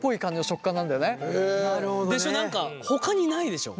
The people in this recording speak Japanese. でしょ。